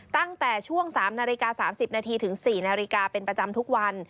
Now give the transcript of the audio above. ตั้งแต่ช่วง๓นาฬิกา๓๐นาทีถึง๔นาฬิกาเป็นประจำทุกวัน